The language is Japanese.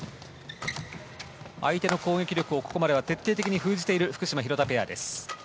相手の攻撃力をここまでは徹底的に封じている福島、廣田ペアです。